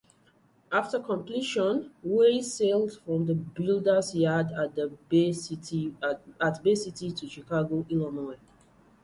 After completion, "Weiss" sailed from the builder's yard at Bay City to Chicago, Illinois.